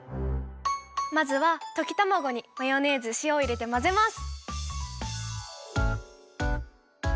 まずはときたまごにマヨネーズしおをいれてまぜます！